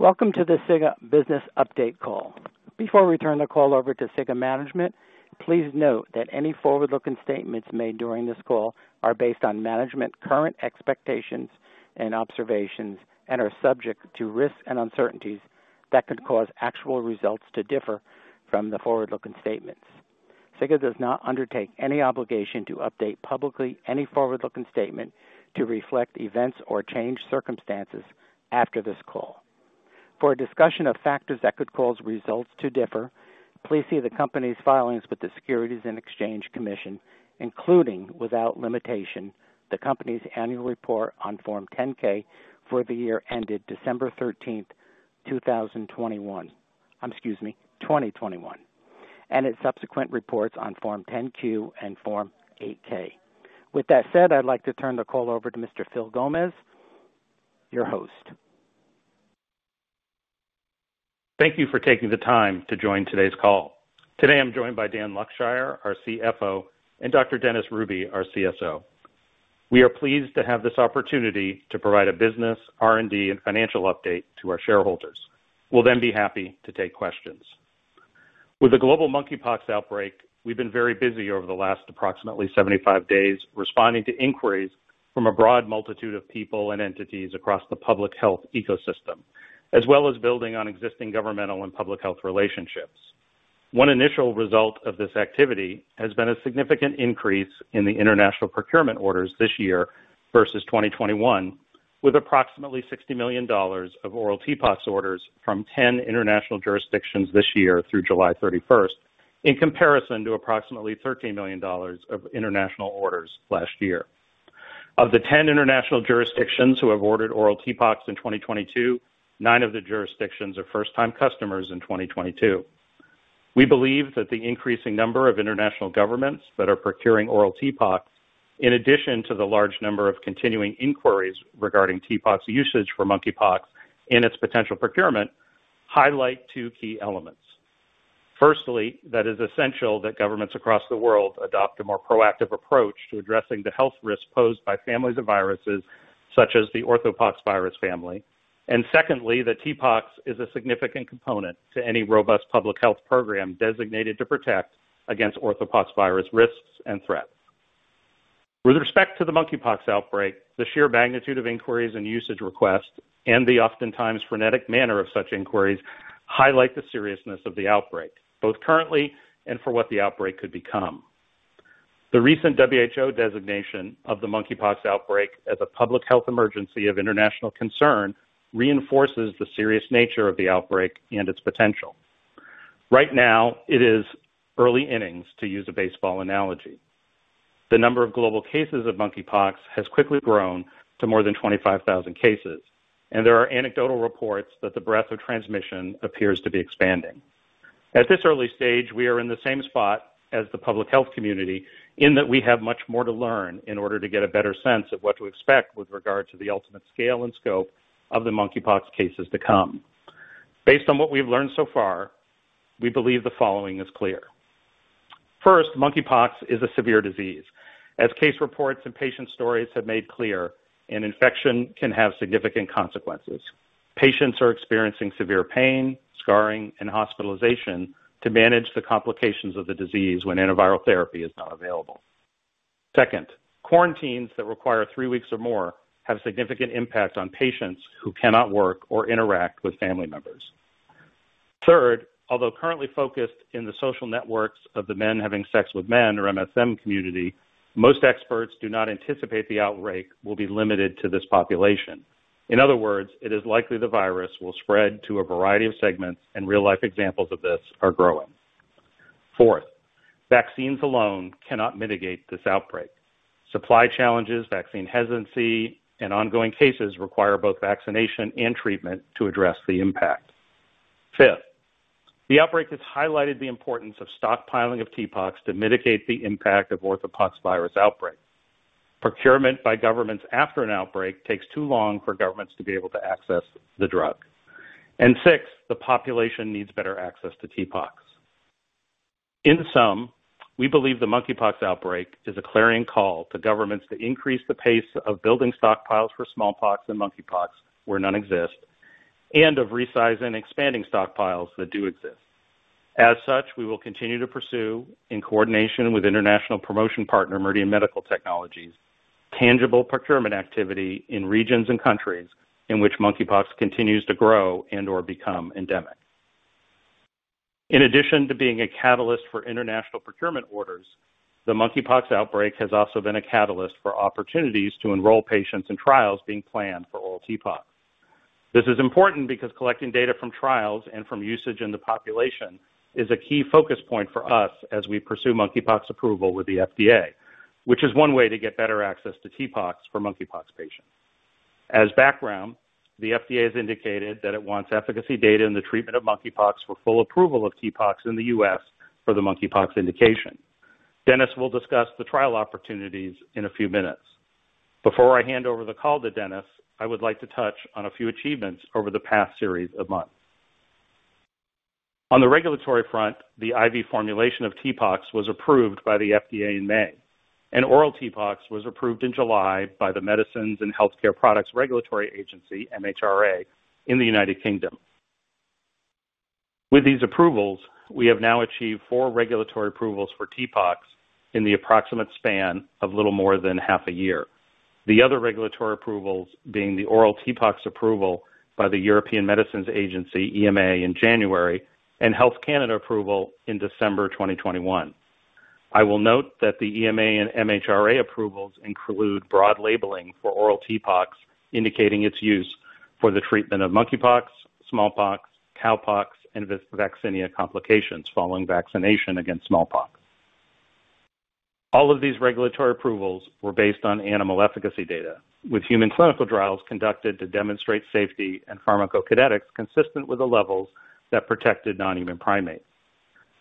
Welcome to the SIGA Business Update Call. Before we turn the call over to SIGA management, please note that any forward-looking statements made during this call are based on management's current expectations and observations and are subject to risks and uncertainties that could cause actual results to differ from the forward-looking statements. SIGA does not undertake any obligation to update publicly any forward-looking statement to reflect events or change circumstances after this call. For a discussion of factors that could cause results to differ, please see the company's filings with the Securities and Exchange Commission, including, without limitation, the company's annual report on Form 10-K for the year ended December 13th, 2021, and its subsequent reports on Form 10-Q and Form 8-K. With that said, I'd like to turn the call over to Mr. Phil Gomez, your host. Thank you for taking the time to join today's call. Today I'm joined by Dan Luckshire, our CFO, and Dr. Dennis Hruby, our CSO. We are pleased to have this opportunity to provide a business, R&D and financial update to our shareholders. We'll then be happy to take questions. With the global monkeypox outbreak, we've been very busy over the last approximately 75 days responding to inquiries from a broad multitude of people and entities across the public health ecosystem, as well as building on existing governmental and public health relationships. One initial result of this activity has been a significant increase in the international procurement orders this year versus 2021, with approximately $60 million of oral TPOXX orders from 10 international jurisdictions this year through July 31st, in comparison to approximately $13 million of international orders last year. Of the 10 international jurisdictions who have ordered oral TPOXX in 2022, nine of the jurisdictions are first time customers in 2022. We believe that the increasing number of international governments that are procuring oral TPOXX, in addition to the large number of continuing inquiries regarding TPOXX usage for monkeypox and its potential procurement, highlight two key elements. Firstly, it is essential that governments across the world adopt a more proactive approach to addressing the health risks posed by families of viruses such as the orthopoxvirus family. Secondly, that TPOXX is a significant component to any robust public health program designated to protect against orthopoxvirus risks and threats. With respect to the monkeypox outbreak, the sheer magnitude of inquiries and usage requests, and the oftentimes frenetic manner of such inquiries, highlight the seriousness of the outbreak, both currently and for what the outbreak could become. The recent WHO designation of the monkeypox outbreak as a public health emergency of international concern reinforces the serious nature of the outbreak and its potential. Right now it is early innings, to use a baseball analogy. The number of global cases of monkeypox has quickly grown to more than 25,000 cases, and there are anecdotal reports that the breadth of transmission appears to be expanding. At this early stage, we are in the same spot as the public health community in that we have much more to learn in order to get a better sense of what to expect with regard to the ultimate scale and scope of the monkeypox cases to come. Based on what we've learned so far, we believe the following is clear. First, monkeypox is a severe disease. As case reports and patient stories have made clear, an infection can have significant consequences. Patients are experiencing severe pain, scarring, and hospitalization to manage the complications of the disease when antiviral therapy is not available. Second, quarantines that require three weeks or more have significant impact on patients who cannot work or interact with family members. Third, although currently focused in the social networks of the men having sex with men, or MSM community, most experts do not anticipate the outbreak will be limited to this population. In other words, it is likely the virus will spread to a variety of segments and real life examples of this are growing. Fourth, vaccines alone cannot mitigate this outbreak. Supply challenges, vaccine hesitancy, and ongoing cases require both vaccination and treatment to address the impact. Fifth, the outbreak has highlighted the importance of stockpiling of TPOXX to mitigate the impact of orthopoxvirus outbreaks. Procurement by governments after an outbreak takes too long for governments to be able to access the drug. Sixth, the population needs better access to TPOXX. In sum, we believe the monkeypox outbreak is a clarion call to governments to increase the pace of building stockpiles for smallpox and monkeypox where none exist, and of resizing expanding stockpiles that do exist. As such, we will continue to pursue, in coordination with international promotion partner Meridian Medical Technologies, tangible procurement activity in regions and countries in which monkeypox continues to grow and/or become endemic. In addition to being a catalyst for international procurement orders, the monkeypox outbreak has also been a catalyst for opportunities to enroll patients in trials being planned for oral TPOXX. This is important because collecting data from trials and from usage in the population is a key focus point for us as we pursue monkeypox approval with the FDA, which is one way to get better access to TPOXX for monkeypox patients. As background, the FDA has indicated that it wants efficacy data in the treatment of monkeypox for full approval of TPOXX in the U.S. for the monkeypox indication. Dennis will discuss the trial opportunities in a few minutes. Before I hand over the call to Dennis, I would like to touch on a few achievements over the past series of months. On the regulatory front, the IV formulation of TPOXX was approved by the FDA in May, and oral TPOXX was approved in July by the Medicines and Healthcare Products Regulatory Agency, MHRA, in the United Kingdom. With these approvals, we have now achieved four regulatory approvals for TPOXX in the approximate span of little more than half a year. The other regulatory approvals being the oral TPOXX approval by the European Medicines Agency, EMA, in January and Health Canada approval in December 2021. I will note that the EMA and MHRA approvals include broad labeling for oral TPOXX, indicating its use for the treatment of monkeypox, smallpox, cowpox, and vaccinia complications following vaccination against smallpox. All of these regulatory approvals were based on animal efficacy data, with human clinical trials conducted to demonstrate safety and pharmacokinetics consistent with the levels that protected non-human primates.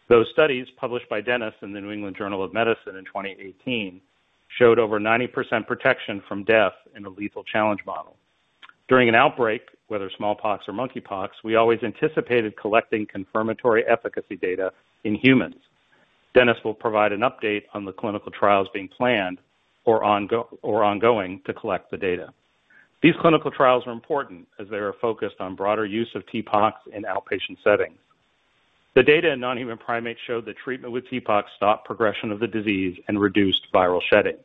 Those studies, published by Dennis in The New England Journal of Medicine in 2018, showed over 90% protection from death in a lethal challenge model. During an outbreak, whether smallpox or monkeypox, we always anticipated collecting confirmatory efficacy data in humans. Dennis will provide an update on the clinical trials being planned or ongoing to collect the data. These clinical trials are important as they are focused on broader use of TPOXX in outpatient settings. The data in non-human primates showed that treatment with TPOXX stopped progression of the disease and reduced viral shedding.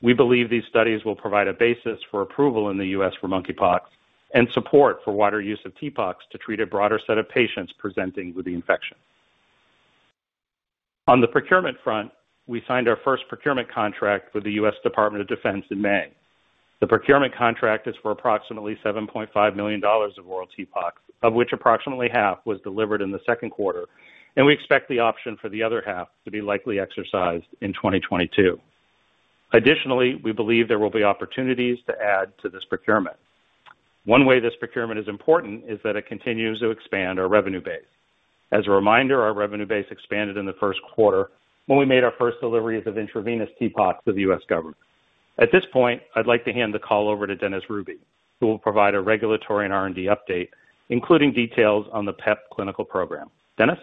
We believe these studies will provide a basis for approval in the U.S. for monkeypox and support for wider use of TPOXX to treat a broader set of patients presenting with the infection. On the procurement front, we signed our first procurement contract with the U.S. Department of Defense in May. The procurement contract is for approximately $7.5 million of oral TPOXX, of which approximately half was delivered in the second quarter, and we expect the option for the other half to be likely exercised in 2022. Additionally, we believe there will be opportunities to add to this procurement. One way this procurement is important is that it continues to expand our revenue base. As a reminder, our revenue base expanded in the first quarter when we made our first deliveries of intravenous TPOXX to the U.S. government. At this point, I'd like to hand the call over to Dennis Hruby, who will provide a regulatory and R&D update, including details on the PEP clinical program. Dennis.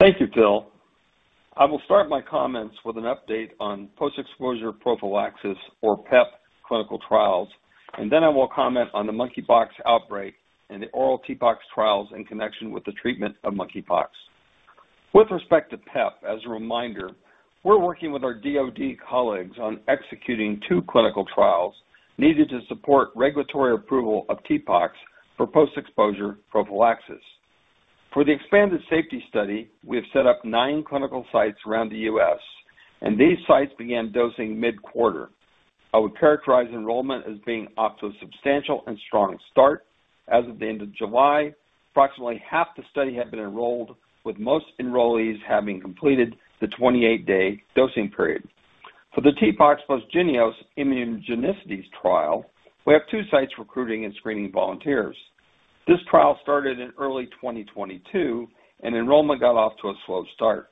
Thank you, Phil. I will start my comments with an update on post-exposure prophylaxis, or PEP clinical trials, and then I will comment on the monkeypox outbreak and the oral TPOXX trials in connection with the treatment of monkeypox. With respect to PEP, as a reminder, we're working with our DoD colleagues on executing two clinical trials needed to support regulatory approval of TPOXX for post-exposure prophylaxis. For the expanded safety study, we have set up nine clinical sites around the U.S., and these sites began dosing mid-quarter. I would characterize enrollment as being off to a substantial and strong start. As of the end of July, approximately half the study had been enrolled, with most enrollees having completed the 28-day dosing period. For the TPOXX plus JYNNEOS immunogenicity trial, we have two sites recruiting and screening volunteers. This trial started in early 2022, and enrollment got off to a slow start.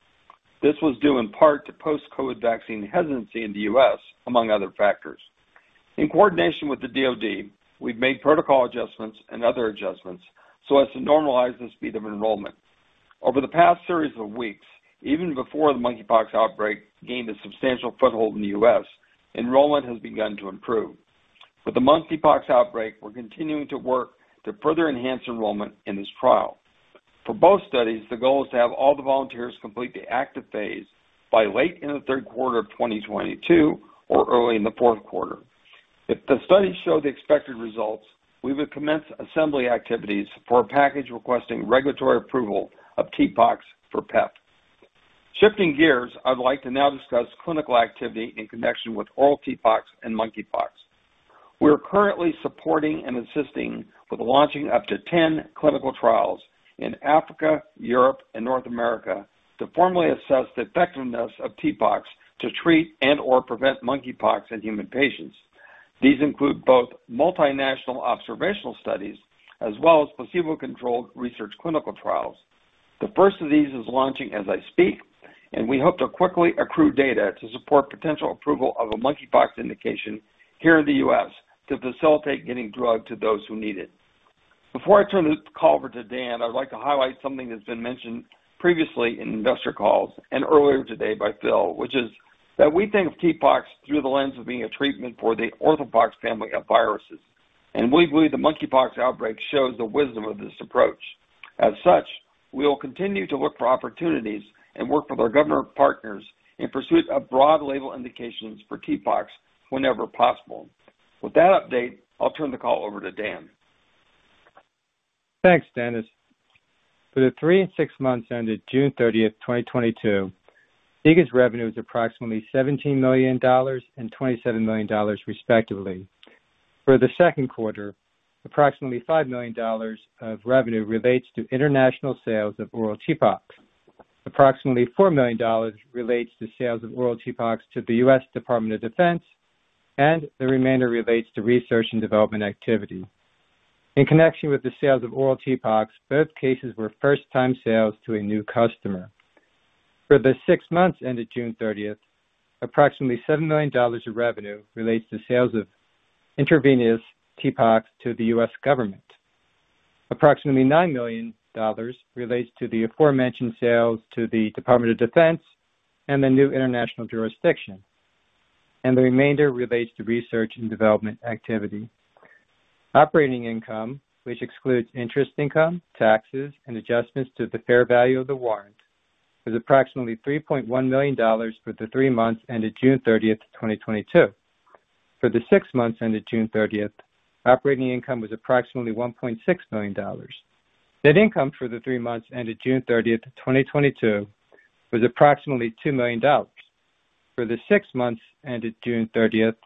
This was due in part to post-COVID vaccine hesitancy in the U.S., among other factors. In coordination with the DoD, we've made protocol adjustments and other adjustments so as to normalize the speed of enrollment. Over the past series of weeks, even before the monkeypox outbreak gained a substantial foothold in the U.S., enrollment has begun to improve. With the monkeypox outbreak, we're continuing to work to further enhance enrollment in this trial. For both studies, the goal is to have all the volunteers complete the active phase by late in the third quarter of 2022 or early in the fourth quarter. If the studies show the expected results, we will commence assembly activities for a package requesting regulatory approval of TPOXX for PEP. Shifting gears, I'd like to now discuss clinical activity in connection with oral TPOXX and monkeypox. We are currently supporting and assisting with launching up to 10 clinical trials in Africa, Europe, and North America to formally assess the effectiveness of TPOXX to treat and/or prevent monkeypox in human patients. These include both multinational observational studies as well as placebo-controlled research clinical trials. The first of these is launching as I speak, and we hope to quickly accrue data to support potential approval of a monkeypox indication here in the U.S. to facilitate getting drug to those who need it. Before I turn this call over to Dan, I'd like to highlight something that's been mentioned previously in investor calls and earlier today by Phil, which is that we think of TPOXX through the lens of being a treatment for the orthopox family of viruses. We believe the monkeypox outbreak shows the wisdom of this approach. As such, we will continue to look for opportunities and work with our government partners in pursuit of broad label indications for TPOXX whenever possible. With that update, I'll turn the call over to Dan. Thanks, Dennis. For the three and six months ended June 30th, 2022, SIGA's revenue is approximately $17 million and $27 million, respectively. For the second quarter, approximately $5 million of revenue relates to international sales of oral TPOXX. Approximately $4 million relates to sales of oral TPOXX to the U.S. Department of Defense, and the remainder relates to research and development activity. In connection with the sales of oral TPOXX, both cases were first-time sales to a new customer. For the six months ended June 30th, approximately $7 million of revenue relates to sales of intravenous TPOXX to the U.S. government. Approximately $9 million relates to the aforementioned sales to the Department of Defense and the new international jurisdiction, and the remainder relates to research and development activity. Operating income, which excludes interest income, taxes, and adjustments to the fair value of the warrant, was approximately $3.1 million for the three months ended June 30th, 2022. For the six months ended June 30th, operating income was approximately $1.6 million. Net income for the three months ended June 30th, 2022 was approximately $2 million. For the six months ended June 30th,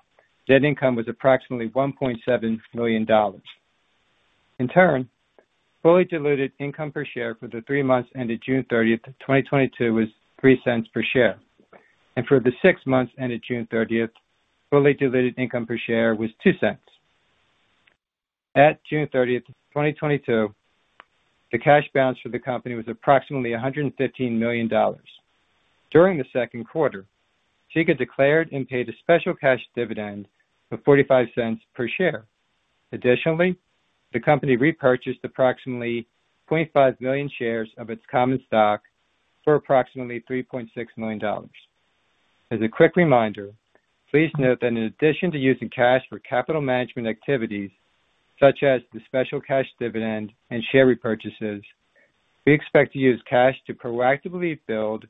net income was approximately $1.7 million. In turn, fully diluted income per share for the three months ended June 30th, 2022 was $0.03 per share. For the six months ended June 30th, fully diluted income per share was $0.02. At June 30th, 2022, the cash balance for the company was approximately $115 million. During the second quarter, SIGA declared and paid a special cash dividend of $0.45 per share. Additionally, the company repurchased approximately 0.5 million shares of its common stock for approximately $3.6 million. As a quick reminder, please note that in addition to using cash for capital management activities such as the special cash dividend and share repurchases, we expect to use cash to proactively build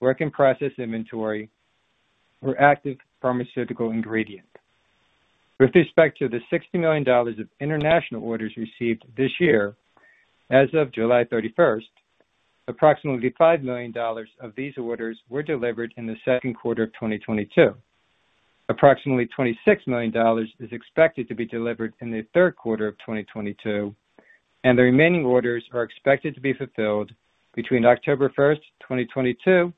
work in process inventory for active pharmaceutical ingredient. With respect to the $60 million of international orders received this year, as of July 31st, approximately $5 million of these orders were delivered in the second quarter of 2022. Approximately $26 million is expected to be delivered in the third quarter of 2022, and the remaining orders are expected to be fulfilled between October 1st, 2022,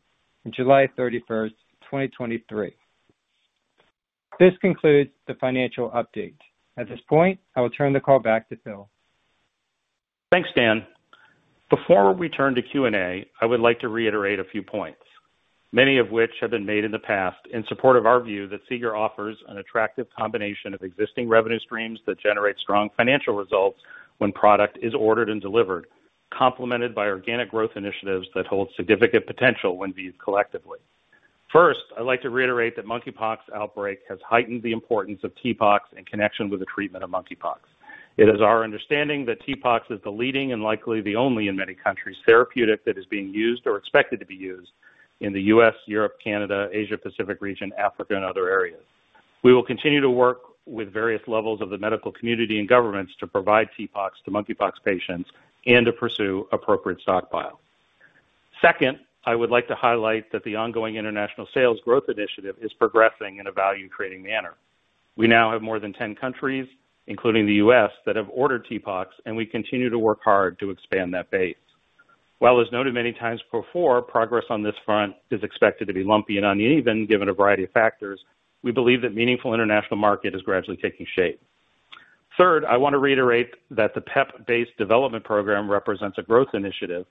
and July 31st, 2023. This concludes the financial update. At this point, I will turn the call back to Phil. Thanks, Dan. Before we turn to Q&A, I would like to reiterate a few points, many of which have been made in the past in support of our view that SIGA offers an attractive combination of existing revenue streams that generate strong financial results when product is ordered and delivered, complemented by organic growth initiatives that hold significant potential when viewed collectively. First, I'd like to reiterate that monkeypox outbreak has heightened the importance of TPOXX in connection with the treatment of monkeypox. It is our understanding that TPOXX is the leading, and likely the only in many countries, therapeutic that is being used or expected to be used in the U.S., Europe, Canada, Asia-Pacific region, Africa, and other areas. We will continue to work with various levels of the medical community and governments to provide TPOXX to monkeypox patients and to pursue appropriate stockpile. Second, I would like to highlight that the ongoing international sales growth initiative is progressing in a value-creating manner. We now have more than 10 countries, including the U.S., that have ordered TPOXX, and we continue to work hard to expand that base. While as noted many times before, progress on this front is expected to be lumpy and uneven given a variety of factors, we believe that meaningful international market is gradually taking shape. Third, I want to reiterate that the PEP-based development program represents a growth initiative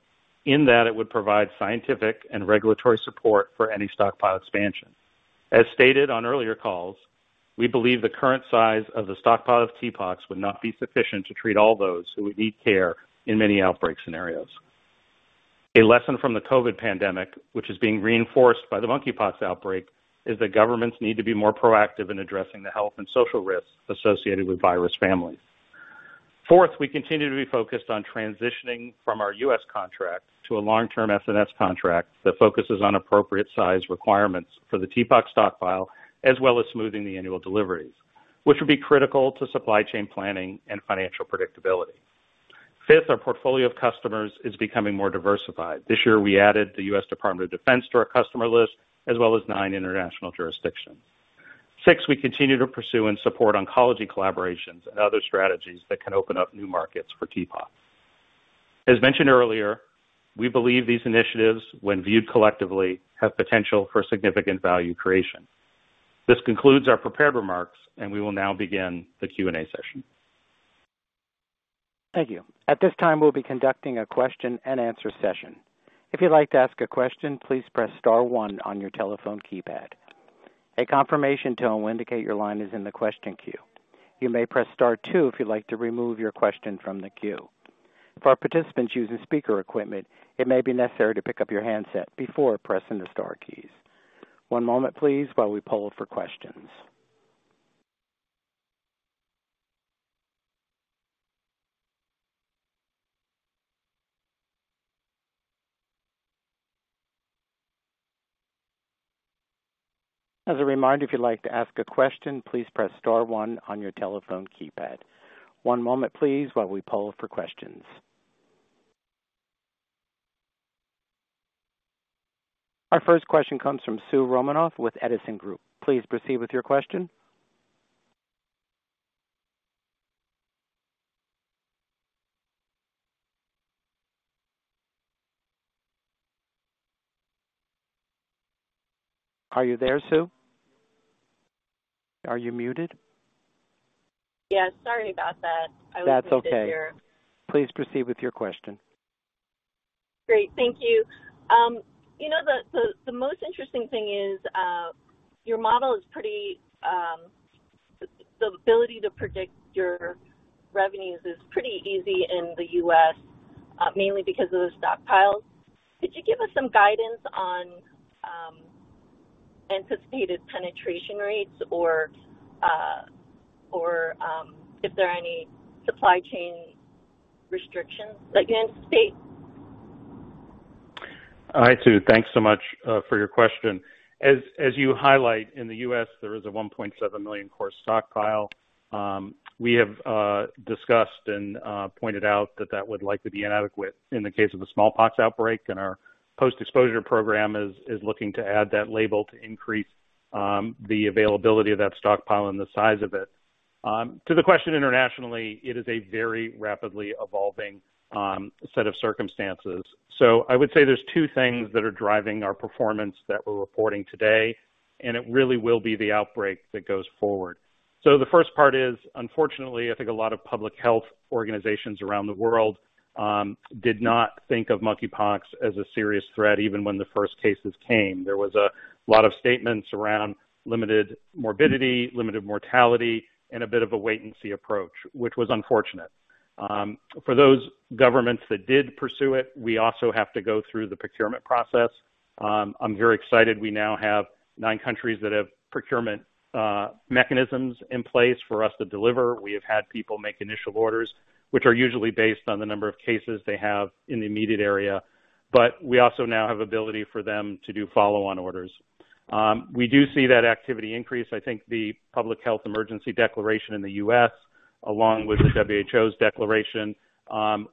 in that it would provide scientific and regulatory support for any stockpile expansion. As stated on earlier calls, we believe the current size of the stockpile of TPOXX would not be sufficient to treat all those who would need care in many outbreak scenarios. A lesson from the COVID pandemic, which is being reinforced by the monkeypox outbreak, is that governments need to be more proactive in addressing the health and social risks associated with virus families. Fourth, we continue to be focused on transitioning from our U.S. contract to a long-term SNS contract that focuses on appropriate size requirements for the TPOXX stockpile, as well as smoothing the annual deliveries, which would be critical to supply chain planning and financial predictability. Fifth, our portfolio of customers is becoming more diversified. This year we added the U.S. Department of Defense to our customer list as well as nine international jurisdictions. Six, we continue to pursue and support oncology collaborations and other strategies that can open up new markets for TPOXX. As mentioned earlier, we believe these initiatives, when viewed collectively, have potential for significant value creation. This concludes our prepared remarks, and we will now begin the Q&A session. Thank you. At this time, we'll be conducting a question and answer session. If you'd like to ask a question, please press star one on your telephone keypad. A confirmation tone will indicate your line is in the question queue. You may press star two if you'd like to remove your question from the queue. For our participants using speaker equipment, it may be necessary to pick up your handset before pressing the star keys. One moment please while we poll for questions. As a reminder, if you'd like to ask a question, please press star one on your telephone keypad. One moment please while we poll for questions. Our first question comes from Soo Romanoff with Edison Group. Please proceed with your question. Are you there, Soo? Are you muted? Yeah, sorry about that. That's okay. I was muted here. Please proceed with your question. Great. Thank you. You know, the most interesting thing is the ability to predict your revenues is pretty easy in the U.S., mainly because of those stockpiles. Could you give us some guidance on anticipated penetration rates or if there are any supply chain restrictions that you anticipate? All right, Soo, thanks so much for your question. As you highlight, in the U.S., there is a 1.7 million course stockpile. We have discussed and pointed out that that would likely be inadequate in the case of a smallpox outbreak. Our post-exposure program is looking to add that label to increase the availability of that stockpile and the size of it. To the question internationally, it is a very rapidly evolving set of circumstances. I would say there's two things that are driving our performance that we're reporting today, and it really will be the outbreak that goes forward. The first part is, unfortunately, I think a lot of public health organizations around the world did not think of monkeypox as a serious threat even when the first cases came. There was a lot of statements around limited morbidity, limited mortality, and a bit of a wait and see approach, which was unfortunate. For those governments that did pursue it, we also have to go through the procurement process. I'm very excited we now have nine countries that have procurement mechanisms in place for us to deliver. We have had people make initial orders, which are usually based on the number of cases they have in the immediate area. We also now have ability for them to do follow-on orders. We do see that activity increase. I think the public health emergency declaration in the U.S., along with the WHO's declaration,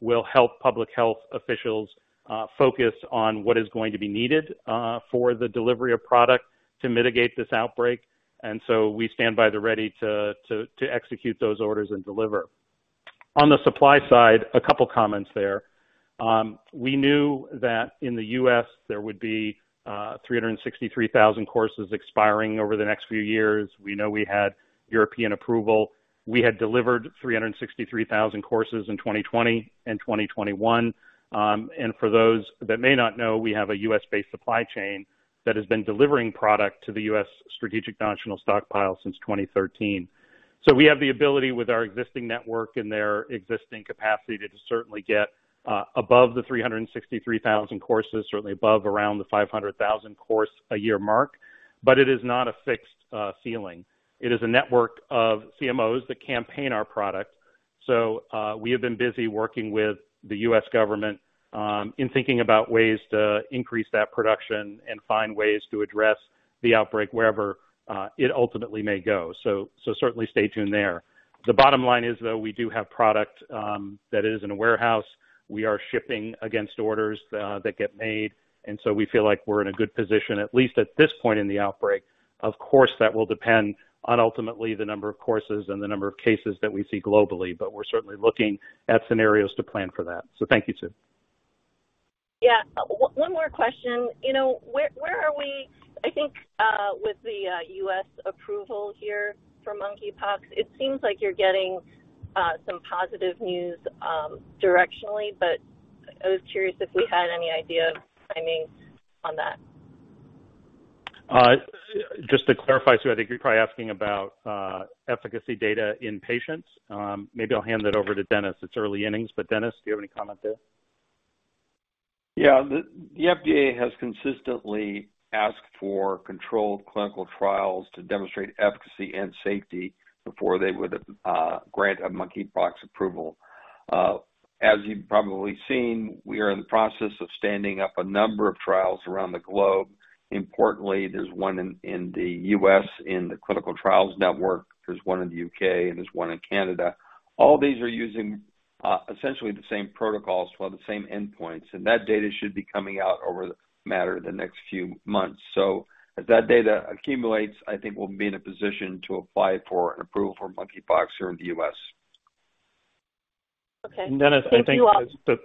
will help public health officials focus on what is going to be needed for the delivery of product to mitigate this outbreak. We stand ready to execute those orders and deliver. On the supply side, a couple of comments there. We knew that in the U.S. there would be 363,000 courses expiring over the next few years. We know we had European approval. We had delivered 363,000 courses in 2020 and 2021. For those that may not know, we have a U.S.-based supply chain that has been delivering product to the U.S. Strategic National Stockpile since 2013. We have the ability with our existing network and their existing capacity to certainly get above the 363,000 courses, certainly above around the 500,000 courses-a-year mark. It is not a fixed ceiling. It is a network of CMOs that campaign our product. We have been busy working with the U.S. government in thinking about ways to increase that production and find ways to address the outbreak wherever it ultimately may go. Certainly stay tuned there. The bottom line is, though, we do have product that is in a warehouse. We are shipping against orders that get made, and so we feel like we're in a good position, at least at this point in the outbreak. Of course, that will depend on ultimately the number of courses and the number of cases that we see globally. We're certainly looking at scenarios to plan for that. Thank you, Soo. Yeah. One more question. You know, where are we, I think, with the U.S. approval here for monkeypox? It seems like you're getting some positive news directionally, but I was curious if we had any idea of timing on that. Just to clarify, Soo, I think you're probably asking about efficacy data in patients. Maybe I'll hand it over to Dennis. It's early innings, but Dennis, do you have any comment there? Yeah. The FDA has consistently asked for controlled clinical trials to demonstrate efficacy and safety before they would grant a monkeypox approval. As you've probably seen, we are in the process of standing up a number of trials around the globe. Importantly, there's one in the U.S. in the Clinical Trials Network. There's one in the U.K., and there's one in Canada. All these are using essentially the same protocols with the same endpoints, and that data should be coming out over the matter of the next few months. As that data accumulates, I think we'll be in a position to apply for an approval for monkeypox here in the U.S. Okay. Thank you all. Dennis,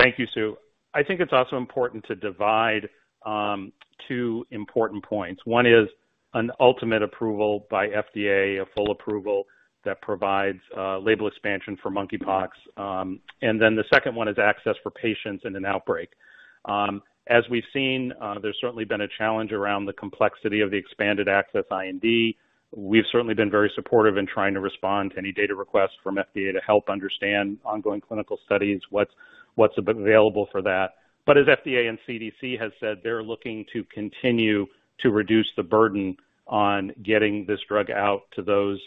Thank you, Soo. I think it's also important to divide two important points. One is an ultimate approval by FDA, a full approval that provides label expansion for monkeypox. Then the second one is access for patients in an outbreak. As we've seen, there's certainly been a challenge around the complexity of the expanded access IND. We've certainly been very supportive in trying to respond to any data requests from FDA to help understand ongoing clinical studies, what's available for that. FDA and CDC has said, they're looking to continue to reduce the burden on getting this drug out to those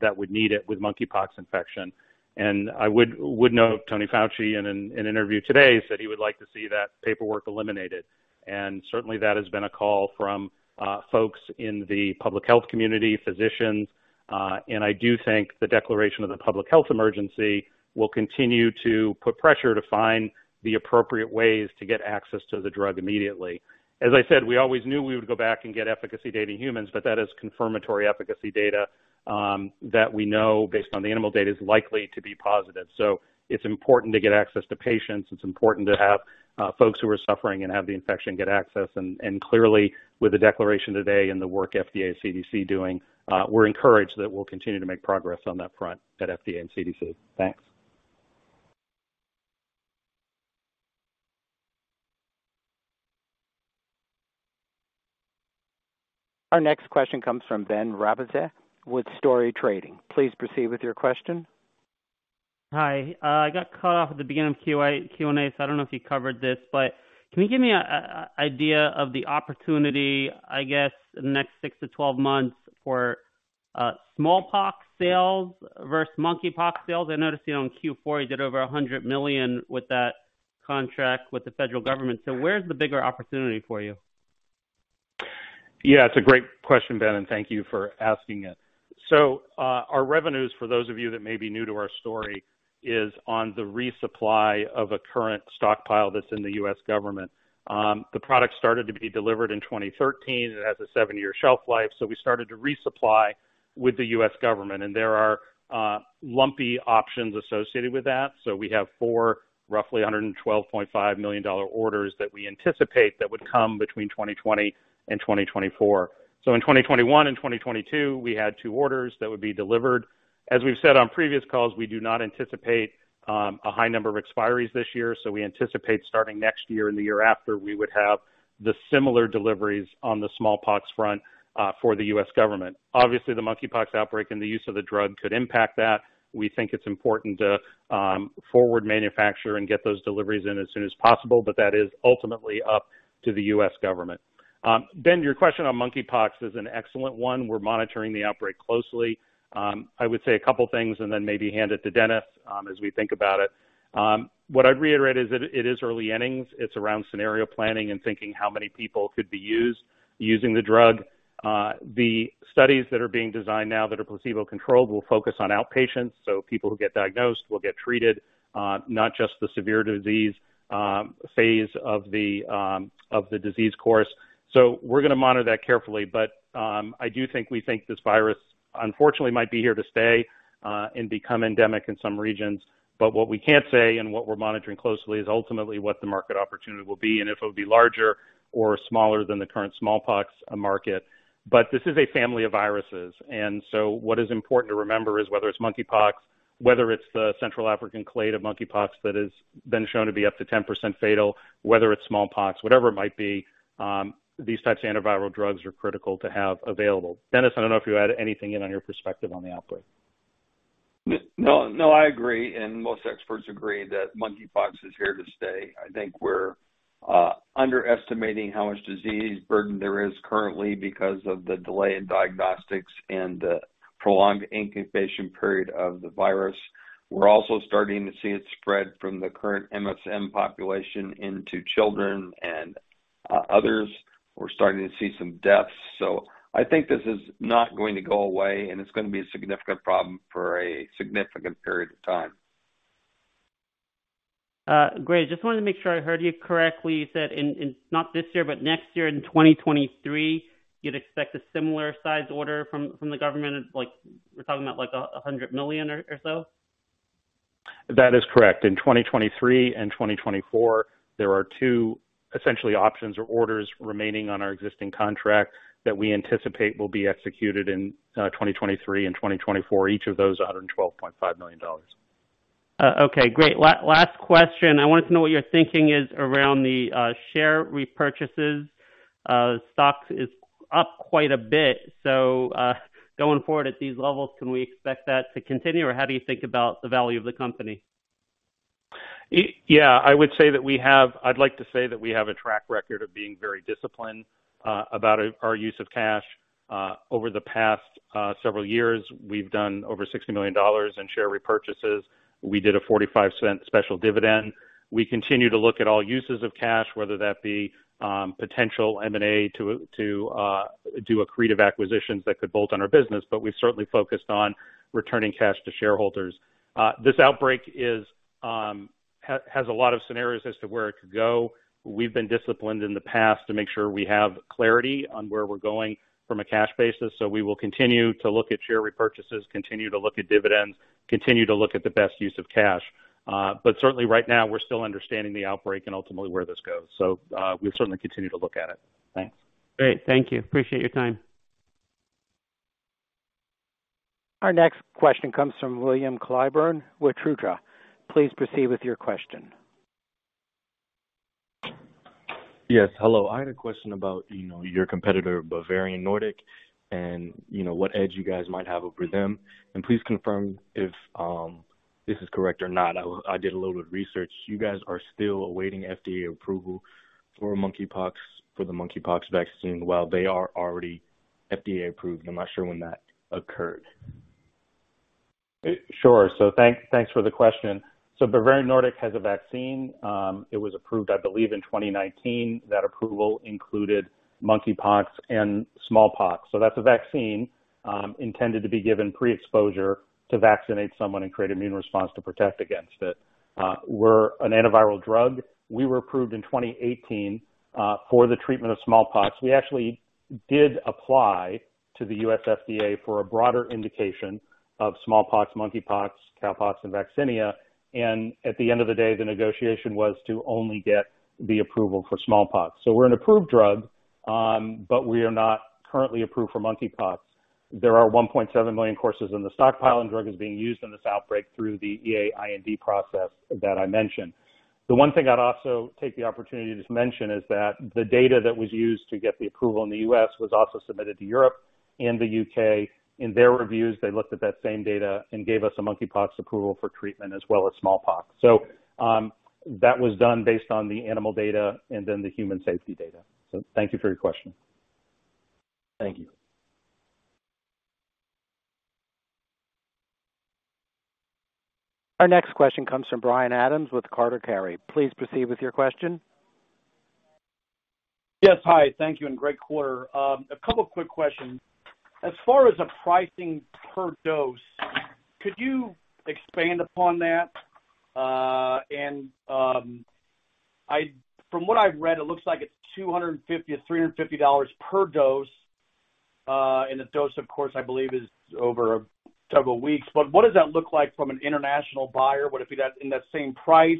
that would need it with monkeypox infection. I would note Anthony Fauci in an interview today said he would like to see that paperwork eliminated. Certainly, that has been a call from folks in the public health community, physicians. I do think the declaration of the public health emergency will continue to put pressure to find the appropriate ways to get access to the drug immediately. As I said, we always knew we would go back and get efficacy data in humans, but that is confirmatory efficacy data, that we know based on the animal data is likely to be positive. It's important to get access to patients. It's important to have folks who are suffering and have the infection get access. Clearly, with the declaration today and the work FDA, CDC doing, we're encouraged that we'll continue to make progress on that front at FDA and CDC. Thanks. Our next question comes from Ben Rabizadeh with StoryTrading. Please proceed with your question. Hi. I got cut off at the beginning of Q&A, so I don't know if you covered this, but can you give me a idea of the opportunity, I guess, in the next six to 12 months for smallpox sales versus monkeypox sales? I noticed, you know, in Q4 you did over $100 million with that contract with the federal government. Where's the bigger opportunity for you? Yeah, it's a great question, Ben, and thank you for asking it. Our revenues, for those of you that may be new to our story, is on the resupply of a current stockpile that's in the U.S. government. The product started to be delivered in 2013. It has a seven-year shelf life. We started to resupply with the U.S. government, and there are lumpy options associated with that. We have four roughly $112.5 million orders that we anticipate that would come between 2020 and 2024. In 2021 and 2022, we had two orders that would be delivered. As we've said on previous calls, we do not anticipate a high number of expiries this year. We anticipate starting next year and the year after, we would have the similar deliveries on the smallpox front, for the U.S. government. Obviously, the monkeypox outbreak and the use of the drug could impact that. We think it's important to forward manufacture and get those deliveries in as soon as possible, but that is ultimately up to the U.S. government. Ben, your question on monkeypox is an excellent one. We're monitoring the outbreak closely. I would say a couple things and then maybe hand it to Dennis, as we think about it. What I'd reiterate is it is early innings. It's around scenario planning and thinking how many people could be used, using the drug. The studies that are being designed now that are placebo-controlled will focus on outpatients. People who get diagnosed will get treated, not just the severe disease phase of the disease course. We're gonna monitor that carefully. I do think we think this virus unfortunately might be here to stay and become endemic in some regions. What we can't say and what we're monitoring closely is ultimately what the market opportunity will be and if it'll be larger or smaller than the current smallpox market. This is a family of viruses. What is important to remember is whether it's monkeypox, whether it's the Central African clade of monkeypox that has been shown to be up to 10% fatal, whether it's smallpox, whatever it might be, these types of antiviral drugs are critical to have available. Dennis, I don't know if you add anything in on your perspective on the output? No, no, I agree, and most experts agree that monkeypox is here to stay. I think we're underestimating how much disease burden there is currently because of the delay in diagnostics and prolonged incubation period of the virus. We're also starting to see it spread from the current MSM population into children and others. We're starting to see some deaths. I think this is not going to go away, and it's gonna be a significant problem for a significant period of time. Great. Just wanted to make sure I heard you correctly. You said not this year, but next year in 2023, you'd expect a similar size order from the government. It's like we're talking about, like, $100 million or so? That is correct. In 2023 and 2024, there are two essential options or orders remaining on our existing contract that we anticipate will be executed in 2023 and 2024. Each of those are $112.5 million. Okay, great. Last question, I wanted to know what your thinking is around the share repurchases. Stock is up quite a bit. Going forward at these levels, can we expect that to continue, or how do you think about the value of the company? Yeah, I'd like to say that we have a track record of being very disciplined about our use of cash. Over the past several years, we've done over $60 million in share repurchases. We did a $0.45 special dividend. We continue to look at all uses of cash, whether that be potential M&A to do accretive acquisitions that could bolt on our business, but we've certainly focused on returning cash to shareholders. This outbreak has a lot of scenarios as to where it could go. We've been disciplined in the past to make sure we have clarity on where we're going from a cash basis, so we will continue to look at share repurchases, continue to look at dividends, continue to look at the best use of cash. Certainly right now, we're still understanding the outbreak and ultimately where this goes. We'll certainly continue to look at it. Thanks. Great. Thank you. Appreciate your time. Our next question comes from William Clyburn with Truja. Please proceed with your question. Yes, hello. I had a question about, you know, your competitor, Bavarian Nordic, and you know, what edge you guys might have over them. Please confirm if this is correct or not. I did a little bit of research. You guys are still awaiting FDA approval for monkeypox, for the monkeypox vaccine while they are already FDA approved. I'm not sure when that occurred. Sure. Thanks for the question. Bavarian Nordic has a vaccine. It was approved, I believe, in 2019. That approval included monkeypox and smallpox. That's a vaccine intended to be given pre-exposure to vaccinate someone and create immune response to protect against it. We're an antiviral drug. We were approved in 2018 for the treatment of smallpox. We actually did apply to the U.S. FDA for a broader indication of smallpox, monkeypox, cowpox, and vaccinia, and at the end of the day, the negotiation was to only get the approval for smallpox. We're an approved drug, but we are not currently approved for monkeypox. There are 1.7 million courses in the stockpile, and the drug is being used in this outbreak through the EA-IND process that I mentioned. The one thing I'd also take the opportunity to mention is that the data that was used to get the approval in the U.S. was also submitted to Europe and the U.K. In their reviews, they looked at that same data and gave us a monkeypox approval for treatment as well as smallpox. That was done based on the animal data and then the human safety data. Thank you for your question. Thank you. Our next question comes from Brian Adams with Carter Kerry. Please proceed with your question. Yes. Hi. Thank you and great quarter. A couple of quick questions. As far as the pricing per dose, could you expand upon that? And from what I've read, it looks like it's $250-$350 per dose. And the dose of course, I believe is over a couple of weeks. But what does that look like from an international buyer? Would it be that in that same price?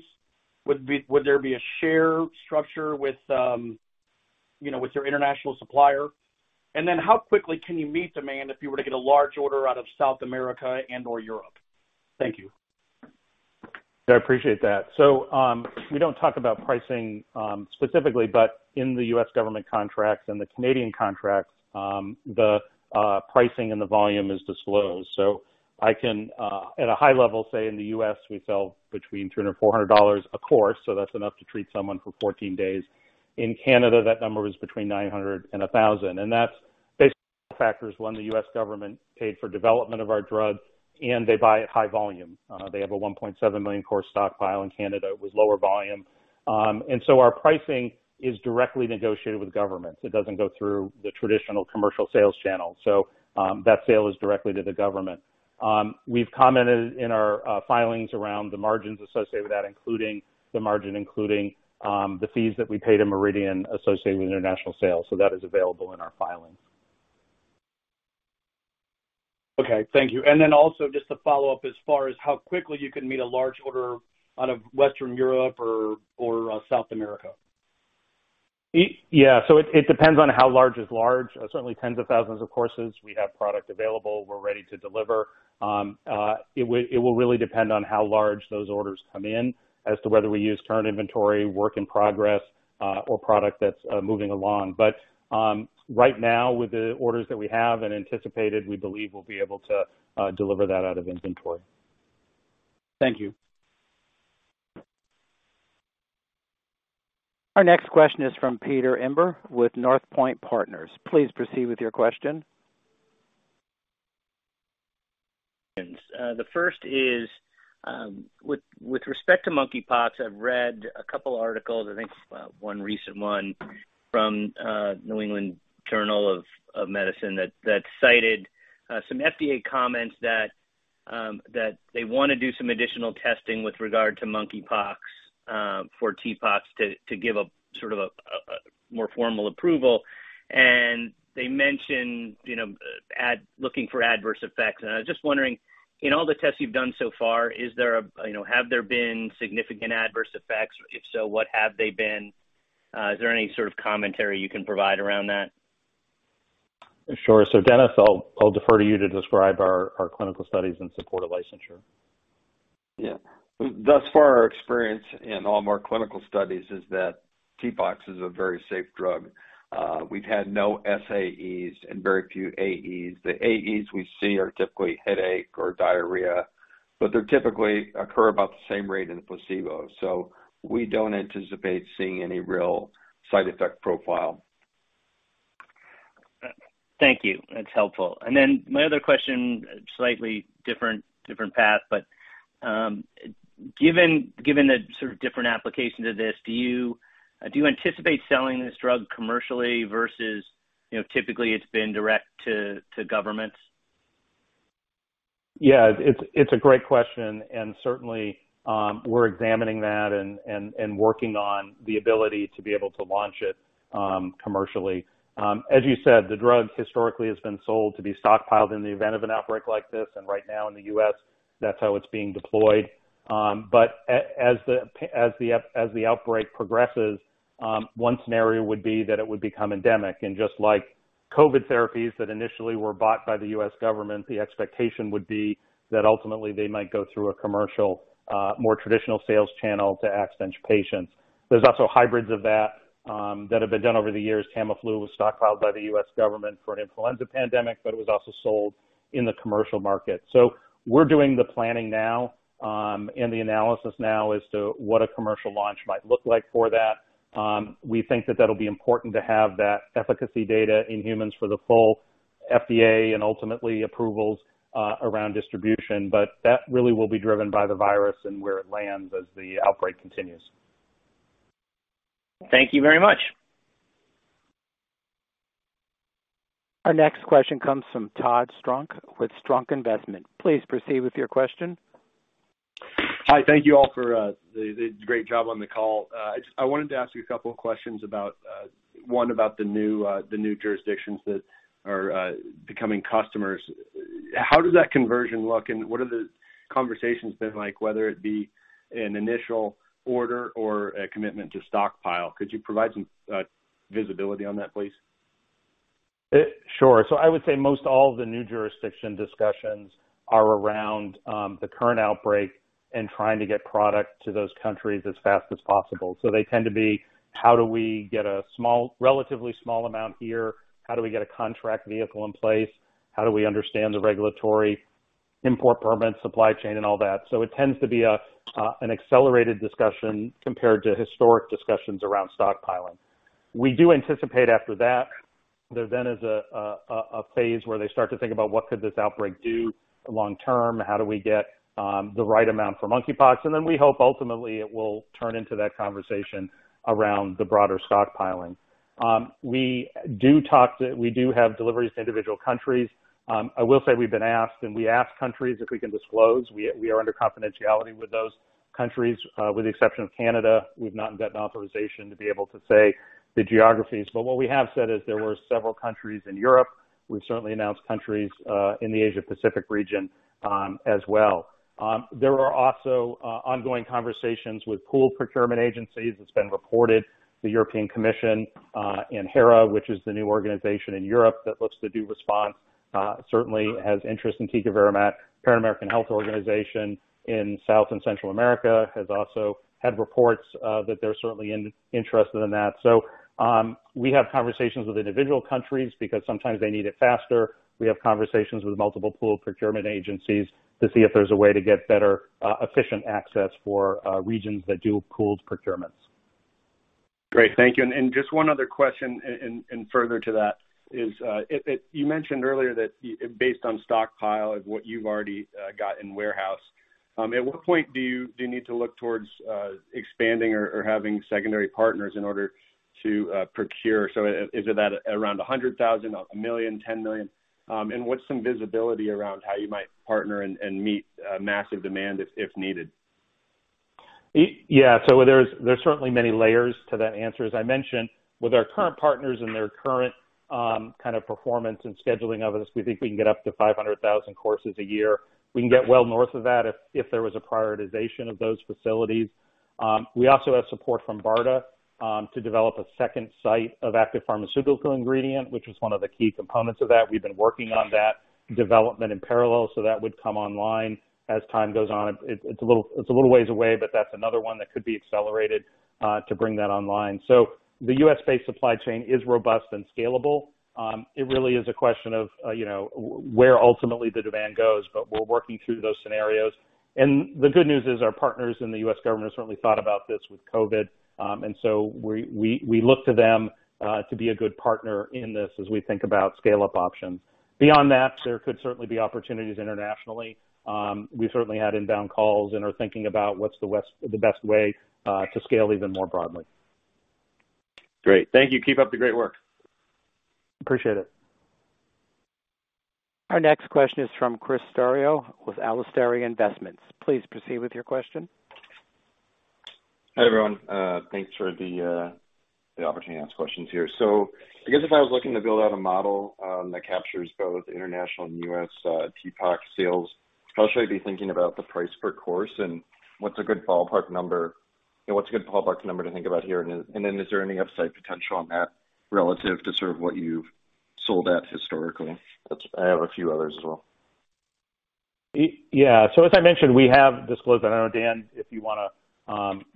Would there be a share structure with, you know, with your international supplier? And then how quickly can you meet demand if you were to get a large order out of South America and/or Europe? Thank you. Yeah, I appreciate that. We don't talk about pricing, specifically, but in the U.S. government contracts and the Canadian contracts, the pricing and the volume is disclosed. I can, at a high level say in the U.S. we sell between $300-$400 a course, so that's enough to treat someone for 14 days. In Canada, that number is between $900 and $1,000. That's based on factors when the U.S. government paid for development of our drug, and they buy at high volume. They have a 1.7 million course stockpile in Canada with lower volume. Our pricing is directly negotiated with governments. It doesn't go through the traditional commercial sales channel. That sale is directly to the government. We've commented in our filings around the margins associated with that, including the margin, the fees that we pay to Meridian associated with international sales. That is available in our filings. Okay. Thank you. Also just to follow up, as far as how quickly you can meet a large order out of Western Europe or South America? It depends on how large is large. Certainly tens of thousands of courses we have product available, we're ready to deliver. It will really depend on how large those orders come in as to whether we use current inventory, work in progress, or product that's moving along. Right now with the orders that we have and anticipated, we believe we'll be able to deliver that out of inventory. Thank you. Our next question is from Peter Imber with North Point Partners. Please proceed with your question. The first is with respect to monkeypox. I've read a couple articles, I think, one recent one from New England Journal of Medicine that cited some FDA comments that they wanna do some additional testing with regard to monkeypox for TPOXX to give a sort of a more formal approval. They mentioned, you know, looking for adverse effects. I was just wondering, in all the tests you've done so far, you know, have there been significant adverse effects? If so, what have they been? Is there any sort of commentary you can provide around that? Sure. Dennis, I'll defer to you to describe our clinical studies in support of licensure. Yeah. Thus far our experience in all of our clinical studies is that TPOXX is a very safe drug. We've had no SAEs and very few AEs. The AEs we see are typically headache or diarrhea, but they're typically occur about the same rate in the placebo. We don't anticipate seeing any real side effect profile. Thank you. That's helpful. My other question, slightly different path, but given the sort of different application to this, do you anticipate selling this drug commercially versus, you know, typically it's been direct to governments? Yeah, it's a great question. Certainly, we're examining that and working on the ability to be able to launch it commercially. As you said, the drug historically has been sold to be stockpiled in the event of an outbreak like this. Right now in the U.S. that's how it's being deployed. As the outbreak progresses, one scenario would be that it would become endemic. Just like COVID therapies that initially were bought by the U.S. government, the expectation would be that ultimately they might go through a commercial, more traditional sales channel to access patients. There's also hybrids of that that have been done over the years. Tamiflu was stockpiled by the U.S. government for an influenza pandemic, but it was also sold in the commercial market. We're doing the planning now, and the analysis now as to what a commercial launch might look like for that. We think that that'll be important to have that efficacy data in humans for the full FDA and ultimately approvals around distribution. That really will be driven by the virus and where it lands as the outbreak continues. Thank you very much. Our next question comes from Todd Strunk with Strunk Investment. Please proceed with your question. Hi. Thank you all for the great job on the call. I wanted to ask you a couple of questions about one about the new jurisdictions that are becoming customers. How does that conversion look and what are the conversations been like, whether it be an initial order or a commitment to stockpile? Could you provide some visibility on that, please? Sure. I would say most all of the new jurisdiction discussions are around the current outbreak and trying to get product to those countries as fast as possible. They tend to be how do we get a small, relatively small amount here? How do we get a contract vehicle in place? How do we understand the regulatory import permit supply chain and all that? It tends to be an accelerated discussion compared to historic discussions around stockpiling. We do anticipate after that, there then is a phase where they start to think about what could this outbreak do long term, how do we get the right amount for monkeypox? Then we hope ultimately it will turn into that conversation around the broader stockpiling. We do have deliveries to individual countries. I will say we've been asked and we ask countries if we can disclose. We are under confidentiality with those countries. With the exception of Canada, we've not gotten authorization to be able to say the geographies. What we have said is there were several countries in Europe. We've certainly announced countries in the Asia-Pacific region as well. There are also ongoing conversations with pooled procurement agencies. It's been reported the European Commission and HERA, which is the new organization in Europe that looks to do response, certainly has interest in tecovirimat. Pan American Health Organization in South and Central America has also had reports that they're certainly interested in that. We have conversations with individual countries because sometimes they need it faster. We have conversations with multiple pooled procurement agencies to see if there's a way to get better, efficient access for regions that do pooled procurements. Great. Thank you. Just one other question and further to that is, you mentioned earlier that based on stockpile of what you've already got in warehouse, at what point do you need to look towards expanding or having secondary partners in order to procure? Is it at around 100,000, 1 million, 10 million? And what's some visibility around how you might partner and meet massive demand if needed? Yeah. There's certainly many layers to that answer. As I mentioned, with our current partners and their current kind of performance and scheduling of this, we think we can get up to 500,000 courses a year. We can get well north of that if there was a prioritization of those facilities. We also have support from BARDA to develop a second site of active pharmaceutical ingredient, which is one of the key components of that. We've been working on that development in parallel, so that would come online as time goes on. It's a little ways away, but that's another one that could be accelerated to bring that online. The U.S.-based supply chain is robust and scalable. It really is a question of you know, where ultimately the demand goes. We're working through those scenarios. The good news is our partners in the U.S. government have certainly thought about this with COVID. We look to them to be a good partner in this as we think about scale-up options. Beyond that, there could certainly be opportunities internationally. We certainly had inbound calls and are thinking about what's the best way to scale even more broadly. Great. Thank you. Keep up the great work. Appreciate it. Our next question is from Chris Sterio with Alistair Investments. Please proceed with your question. Hi, everyone. Thanks for the opportunity to ask questions here. I guess if I was looking to build out a model that captures both international and U.S. TPOXX sales, how should I be thinking about the price per course and what's a good ballpark number to think about here? And then is there any upside potential on that relative to sort of what you've sold at historically? I have a few others as well. Yeah. As I mentioned, we have disclosed, but I know, Dan, if you wanna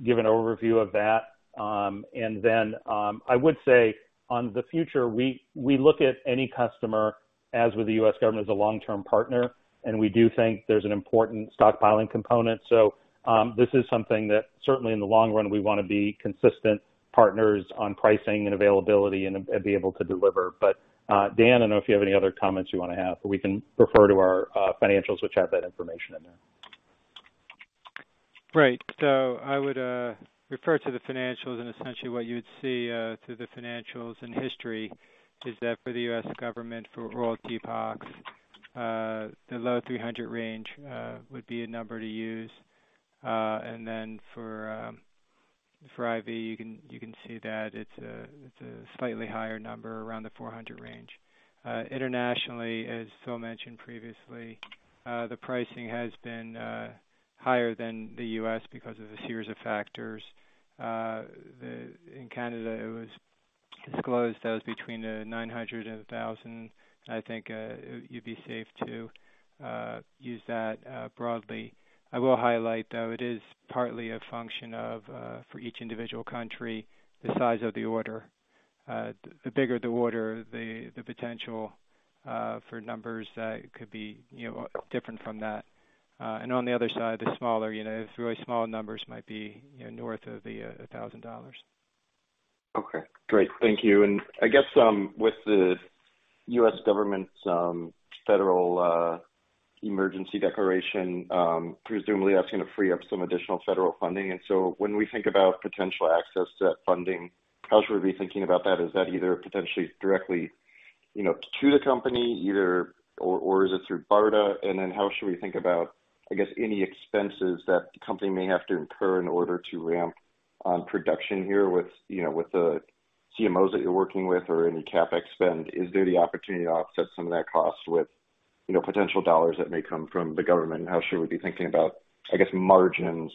give an overview of that. I would say in the future, we look at any customer as with the U.S. government as a long-term partner, and we do think there's an important stockpiling component. This is something that certainly in the long run, we wanna be consistent partners on pricing and availability and be able to deliver. Dan, I don't know if you have any other comments you wanna have, but we can refer to our financials which have that information in there. Right. I would refer to the financials and essentially what you'd see through the financials and history is that for the U.S. government, for oral TPOXX, the low $300 range would be a number to use. For IV, you can see that it's a slightly higher number around the $400 range. Internationally, as Phil mentioned previously, the pricing has been higher than the U.S. because of a series of factors. In Canada, it was disclosed that it was between $900 and $1,000. I think you'd be safe to use that broadly. I will highlight, though, it is partly a function of for each individual country, the size of the order. The bigger the order, the potential for numbers could be, you know, different from that. On the other side, the smaller, you know, really small numbers might be, you know, north of $1,000. Okay, great. Thank you. I guess with the U.S. government's federal emergency declaration, presumably that's gonna free up some additional federal funding. When we think about potential access to that funding, how should we be thinking about that? Is that potentially directly, you know, to the company or is it through BARDA? How should we think about any expenses that the company may have to incur in order to ramp up production here with, you know, the CMOs that you're working with or any CapEx spend? Is there the opportunity to offset some of that cost with, you know, potential dollars that may come from the government? How should we be thinking about, I guess, margins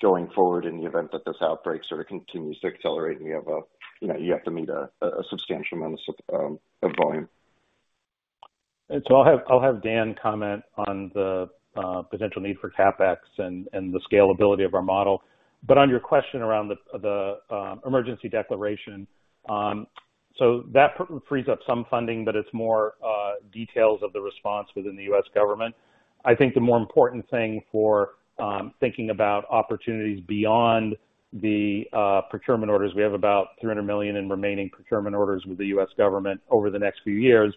going forward in the event that this outbreak sort of continues to accelerate and you know, you have to meet a substantial amount of volume? I'll have Dan comment on the potential need for CapEx and the scalability of our model. On your question around the emergency declaration, that frees up some funding, but it's more details of the response within the U.S. government. I think the more important thing for thinking about opportunities beyond the procurement orders, we have about $300 million in remaining procurement orders with the U.S. government over the next few years.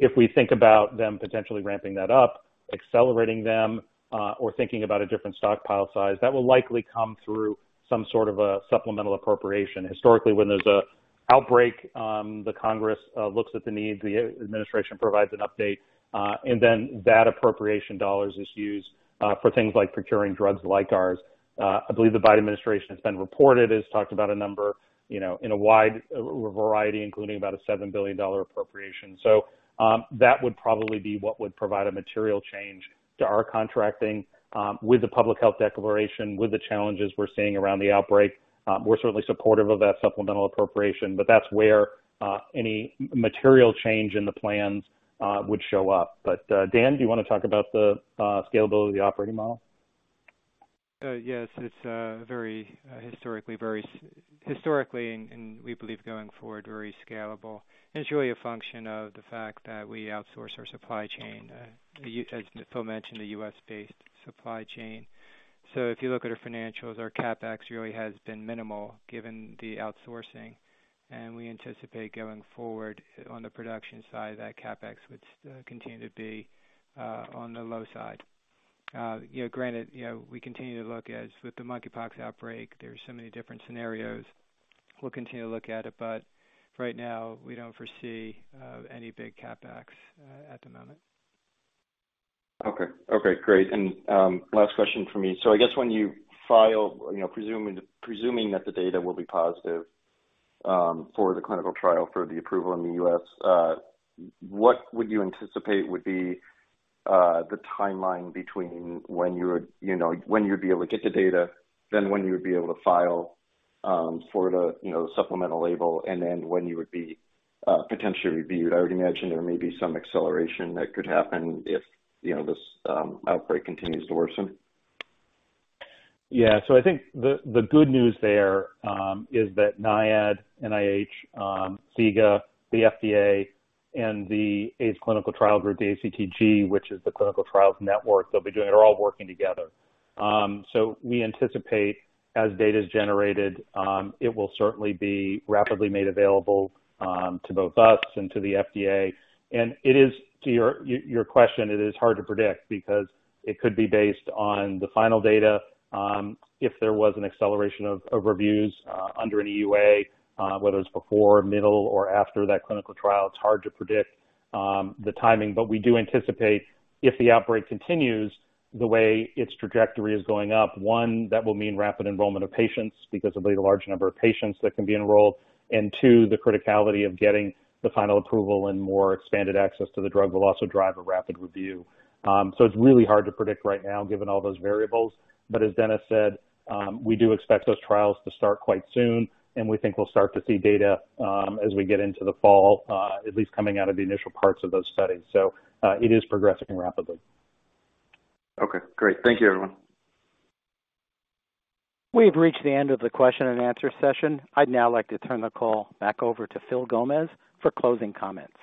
If we think about them potentially ramping that up, accelerating them, or thinking about a different stockpile size, that will likely come through some sort of a supplemental appropriation. Historically, when there's an outbreak, the Congress looks at the needs, the administration provides an update, and then that appropriation dollars is used for things like procuring drugs like ours. I believe the Biden administration has been reported, has talked about a number, you know, in a wide variety, including about a $7 billion appropriation. That would probably be what would provide a material change to our contracting, with the public health declaration, with the challenges we're seeing around the outbreak. We're certainly supportive of that supplemental appropriation, but that's where any material change in the plans would show up. Dan, do you wanna talk about the scalability of the operating model? Yes. It's a very, historically and we believe going forward, very scalable. It's really a function of the fact that we outsource our supply chain. As Phil mentioned, a U.S.-based supply chain. If you look at our financials, our CapEx really has been minimal given the outsourcing, and we anticipate going forward on the production side of that CapEx, which continue to be on the low side. You know, granted, you know, we continue to look, as with the monkeypox outbreak, there's so many different scenarios. We'll continue to look at it, but right now we don't foresee any big CapEx at the moment. Okay. Okay, great. Last question from me. I guess when you file, you know, presuming that the data will be positive, for the clinical trial for the approval in the U.S., what would you anticipate would be, the timeline between when you would, you know, when you'd be able to get the data, then when you would be able to file, for the, you know, supplemental label, and then when you would be, potentially reviewed? I would imagine there may be some acceleration that could happen if, you know, this, outbreak continues to worsen. Yeah. I think the good news there is that NIAID, NIH, SIGA, the FDA, and the AIDS Clinical Trials Group, the ACTG, which is the clinical trials network, they're all working together. We anticipate as data is generated, it will certainly be rapidly made available to both us and to the FDA. It is, to your question, it is hard to predict because it could be based on the final data, if there was an acceleration of reviews under an EUA, whether it's before, middle or after that clinical trial, it's hard to predict the timing. We do anticipate if the outbreak continues the way its trajectory is going up, one, that will mean rapid enrollment of patients because of the large number of patients that can be enrolled. Two, the criticality of getting the final approval and more expanded access to the drug will also drive a rapid review. So it's really hard to predict right now, given all those variables. As Dennis said, we do expect those trials to start quite soon, and we think we'll start to see data, as we get into the fall, at least coming out of the initial parts of those studies. It is progressing rapidly. Okay, great. Thank you, everyone. We've reached the end of the question and answer session. I'd now like to turn the call back over to Phil Gomez for closing comments.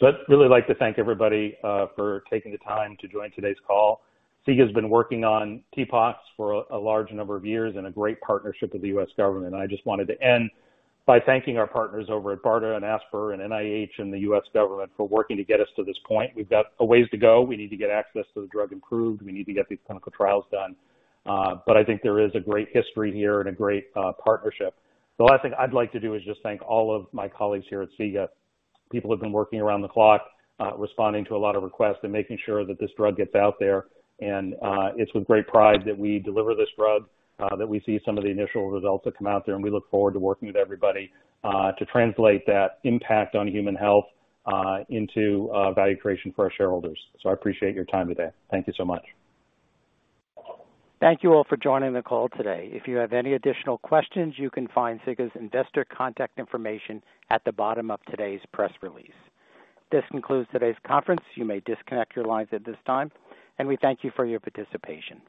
I'd really like to thank everybody for taking the time to join today's call. SIGA has been working on TPOXX for a large number of years and a great partnership with the U.S. government. I just wanted to end by thanking our partners over at BARDA and ASPR and NIH and the U.S. government for working to get us to this point. We've got a ways to go. We need to get access to the drug improved. We need to get these clinical trials done. I think there is a great history here and a great partnership. The last thing I'd like to do is just thank all of my colleagues here at SIGA. People have been working around the clock, responding to a lot of requests and making sure that this drug gets out there. It's with great pride that we deliver this drug, that we see some of the initial results that come out there, and we look forward to working with everybody, to translate that impact on human health, into value creation for our shareholders. I appreciate your time today. Thank you so much. Thank you all for joining the call today. If you have any additional questions, you can find SIGA's investor contact information at the bottom of today's press release. This concludes today's conference. You may disconnect your lines at this time, and we thank you for your participation.